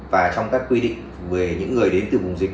và trong các quy định về những người đến từ vùng dịch